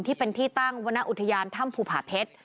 ที่เป็นที่ตั้งวรรณอุทยานถ้ำภูผาเพชร